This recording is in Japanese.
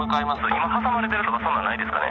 今挟まれてるとかそんなんないですかね？